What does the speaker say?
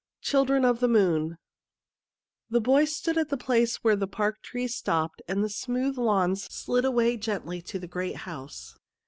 CHILDREN OF THE MOON THE boy stood at the place where the park trees stopped and the smooth lawns slid away gently to the great house.